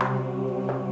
tentang apa yang terjadi